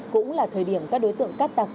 cũng là thời điểm các đối tượng cắt tặc